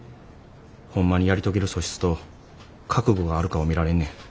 ホンマにやり遂げる素質と覚悟があるかを見られんねん。